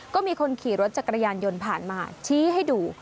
ก็มีคนขี่รถจักรยานยนต์ผ่านมาชี้ให้ดู